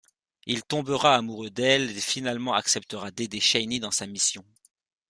Il tombera amoureux d'elle et finalement acceptera d'aider Shanny dans sa mission.